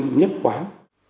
doanh nghiệp liên quan